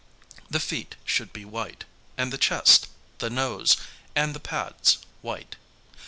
The feet should be white, and the chest, the nose, and the pads white.